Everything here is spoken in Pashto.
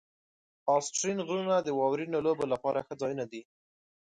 آسټرین غرونه د واورینو لوبو لپاره ښه ځایونه دي.